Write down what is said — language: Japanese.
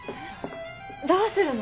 どうするの？